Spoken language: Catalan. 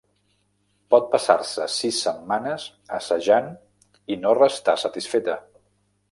Pot passar-se sis setmanes assajant i no restar satisfeta.